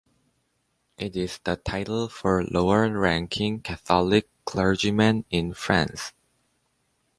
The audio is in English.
It is the title for lower-ranking Catholic clergymen in France.